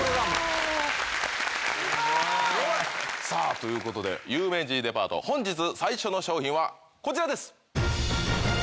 さあということで『有名人デパート』本日最初の商品はこちらです。